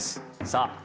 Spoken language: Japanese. さあ